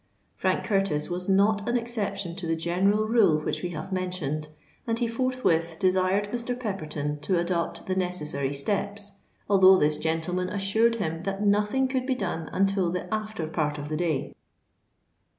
Frank Curtis was not an exception to the general rule which we have mentioned; and he forthwith desired Mr. Pepperton to adopt the necessary steps, although this gentleman assured him that nothing could be done until the after part of the day.